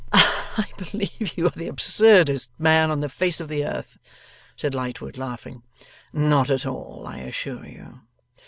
'I believe you are the absurdest man on the face of the earth,' said Lightwood, laughing. 'Not at all, I assure you.